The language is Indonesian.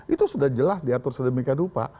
itu sudah jelas diatur sedemikian rupa